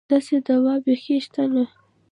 داسې دوا بېخي شته نه.